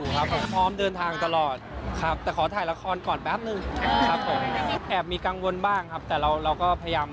หล่อจังเลยนะคะท่านโอ้